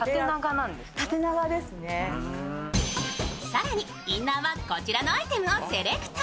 更に、インナーはこちらのアイテムをセレクト。